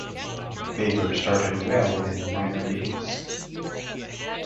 Faber started well in the minor leagues.